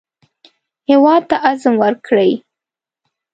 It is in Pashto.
هېواد ته عزم ورکړئ